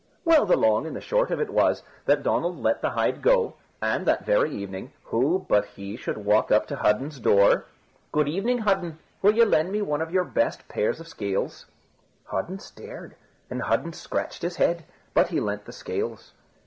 Well, the long and the short of it was that Donald let the hide go, and, that very evening, who but he should walk up to Hudden's door? "Good evening, Hudden. Will you lend me your best pair of scales?" Hudden stared and Hudden scratched his head, but he lent the scales.